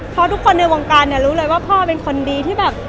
เพราะทุกคนในวงการเนี่ยรู้เลยว่าพ่อเป็นคนดีที่แบบ